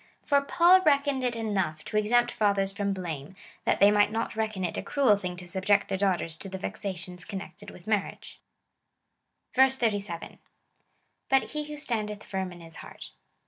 ^ For Paul reckoned it enough to ex empt fathers from blame, that they might not reckon it a cniel thing to subject their daughters to the vexations con nected with marriage. 87. But he who standeth firm in his heart.